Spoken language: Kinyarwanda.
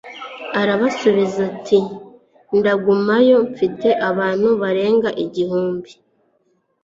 Arabasubiza ati Ndagumayo mfite abantu barenga igihumbi